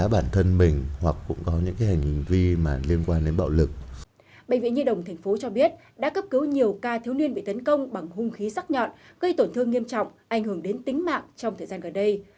bệnh viện nhi đồng tp cho biết đã cấp cứu nhiều ca thiếu niên bị tấn công bằng hung khí sắc nhọn gây tổn thương nghiêm trọng ảnh hưởng đến tính mạng trong thời gian gần đây